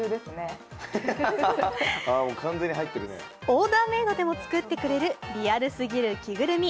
オーダーメイドでも作ってくれるリアルすぎる着ぐるみ。